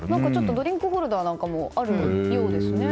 ドリンクホルダーなどもあるようですね。